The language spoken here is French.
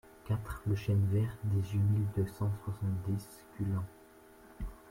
quatre le Chêne Vert, dix-huit mille deux cent soixante-dix Culan